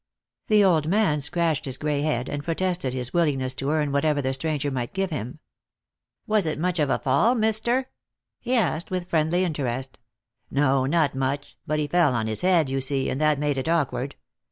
The old man scratched his gray head, and protested his wil lingness to earn whatever the stranger might give him. " Was it much of a fall, mister ?" he asked, with friendly interest. " No, not much ; but he fell on his head, yon see, and that made it awkward.